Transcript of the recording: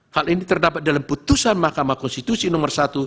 hal ini terdapat dalam putusan mahkamah konstitusi nomor satu